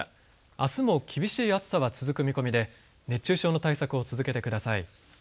あすも厳しい暑さは続く見込みで熱中症の対策を続けてください。